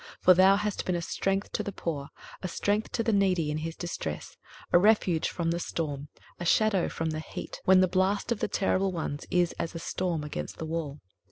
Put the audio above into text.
23:025:004 For thou hast been a strength to the poor, a strength to the needy in his distress, a refuge from the storm, a shadow from the heat, when the blast of the terrible ones is as a storm against the wall.